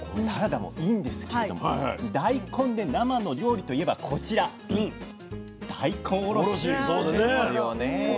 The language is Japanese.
サラダもいいんですけれども大根で生の料理といえばこちら大根おろしですよね。